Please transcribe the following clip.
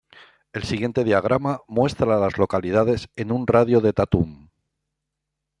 El siguiente diagrama muestra a las localidades en un radio de de Tatum.